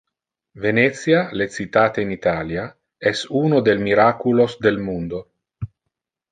Venetia, le citate in Italia, es un del miraculos del mundo.